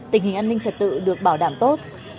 tình hình an ninh trật tự được bảo đảm tốt